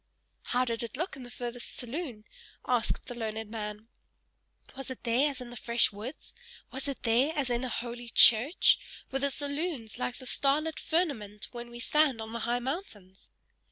"How did it look in the furthest saloon?" asked the learned man. "Was it there as in the fresh woods? Was it there as in a holy church? Were the saloons like the starlit firmament when we stand on the high mountains?"